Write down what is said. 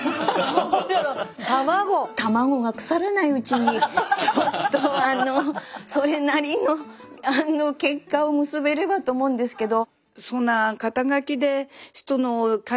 卵が腐らないうちにちょっとあのそれなりの結果を結べればと思うんですけど。